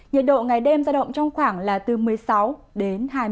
nhiệt độ ngày đêm ra động trong khoảng là hai mươi đến ba mươi độ